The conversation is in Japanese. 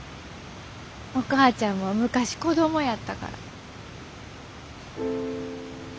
お母ちゃんも昔子供やったから。